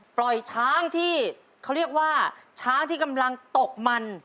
ปล่อยช้างที่เขาเรียกว่าช้างที่กำลังตกมัน